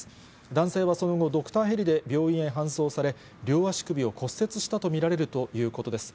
男性はその後、ドクターヘリで病院へ搬送され、両足首を骨折したと見られるということです。